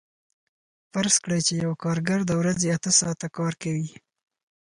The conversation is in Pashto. فرض کړئ چې یو کارګر د ورځې اته ساعته کار کوي